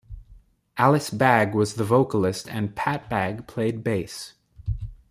Alice Bag was the vocalist and Pat Bag played bass.